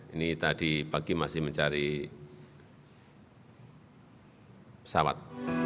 ini tadi pagi masih mencari pesawat